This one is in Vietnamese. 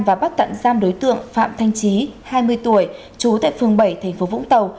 và bắt tặng giam đối tượng phạm thanh trí hai mươi tuổi chú tại phường bảy tp vũng tàu